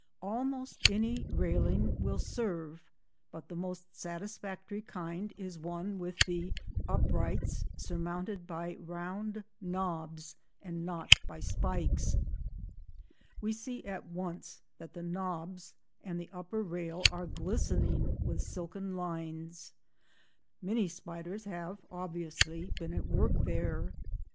Almost any railing will serve, but the most satisfactory kind is one with the uprights surmounted by round knobs, and not by spikes. We see at once that the knobs, and the upper rail are glistening with silken lines; many spiders have obviously been at work there.